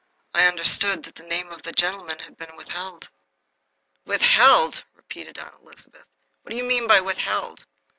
"I understood that the name of the gentleman had been withheld." "Withheld!" repeated Aunt Elizabeth. "What do you mean by 'withheld'?